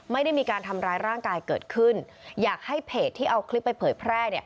ไม่ได้มีการทำร้ายร่างกายเกิดขึ้นอยากให้เพจที่เอาคลิปไปเผยแพร่